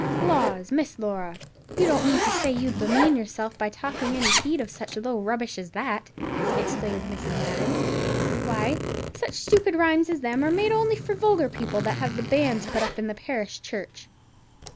"Laws, Miss Laura, you don't mean to say as you'd bemean yourself by taking any heed of such low rubbish as that?" exclaimed Mrs. Madden; "why, such stupid rhymes as them are only made for vulgar people that have the banns put up in the parish church.